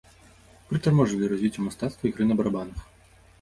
Прытарможвалі развіццё мастацтва ігры на барабанах.